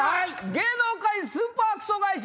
芸能界スーパークソ返し